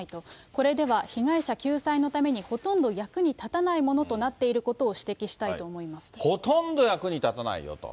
これでは被害者救済のためにほとんど役に立たないものとなっていほとんど役に立たないよと。